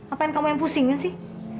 apa yang kamu yang pusingin sih